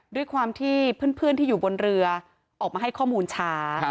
ด้วยความที่เพื่อนที่อยู่บนเรือออกมาให้ข้อมูลช้า